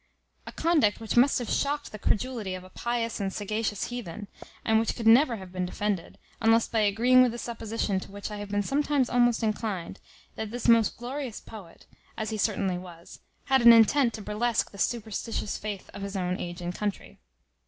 A conduct which must have shocked the credulity of a pious and sagacious heathen; and which could never have been defended, unless by agreeing with a supposition to which I have been sometimes almost inclined, that this most glorious poet, as he certainly was, had an intent to burlesque the superstitious faith of his own age and country.